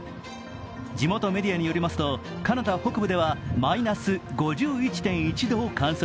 地元メディアによりますとカナダ北部ではマイナス５１．１度を観測。